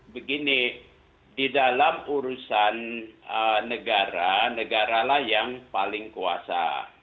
begini di dalam urusan negara negara lah yang paling kuasa